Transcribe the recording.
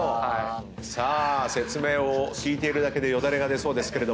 さあ説明を聞いているだけでよだれが出そうですけれども。